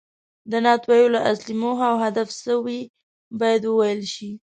د نعت ویلو اصلي موخه او هدف څه وي باید وویل شي.